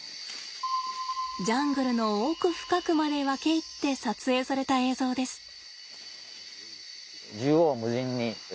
ジャングルの奥深くまで分け入って撮影された映像です。